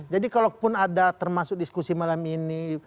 jadi kalau pun ada termasuk diskusi malam ini